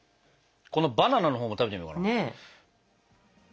このバナナのほうも食べてみようかな。